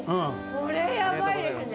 これヤバいですね。